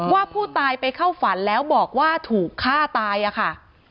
ว่าผู้ตายไปเข้าฝันแล้วบอกว่าถูกฆ่าตายอะค่ะ